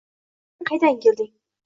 Bu yurtga qaydan kelding.